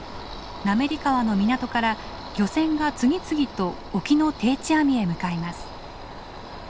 滑川の港から漁船が次々と沖の定置網へ向かいます。